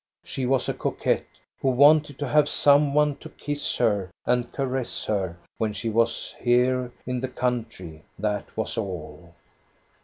She was a coquette, who wanted to have some one to kiss her and caress her when she was here in the country, that was all.